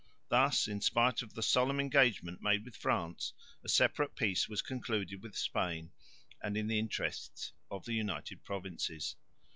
Thus, in spite of the solemn engagement made with France, a separate peace was concluded with Spain and in the interests of the United Provinces.